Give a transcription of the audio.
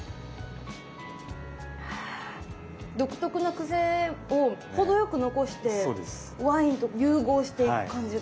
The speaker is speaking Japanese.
独特なクセを程よく残してワインと融合していく感じが。